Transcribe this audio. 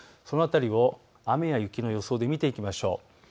その辺りを雨と雪の予想で見ていきましょう。